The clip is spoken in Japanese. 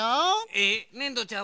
えっねんどちゃん